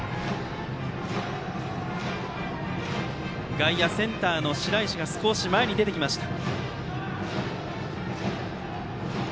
外野、センターの白石が少し前に出てきました。